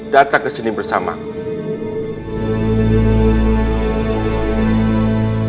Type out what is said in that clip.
datang ke sini bersamaku